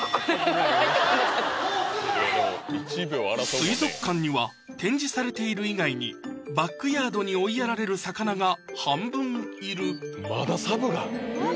水族館には展示されている以外にバックヤードに追いやられる魚が半分いるまだサブなん？